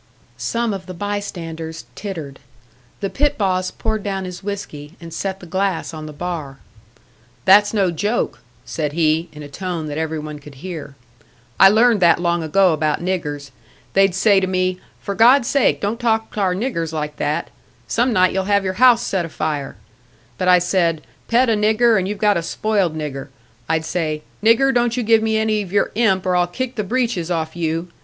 Some of the bystanders tittered. The pit boss poured down his whiskey, and set the glass on the bar. "That's no joke," said he, in a tone that every one could hear. "I learned that long ago about niggers. They'd say to me, 'For God's sake, don't talk to our niggers like that. Some night you'll have your house set afire.' But I said, 'Pet a nigger, and you've got a spoiled nigger.' I'd say, 'Nigger, don't you give me any of your imp, or I'll kick the breeches off you.'